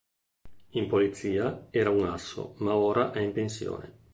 In polizia era un asso ma ora è in pensione.